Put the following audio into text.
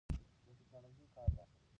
له ټیکنالوژۍ کار واخلئ.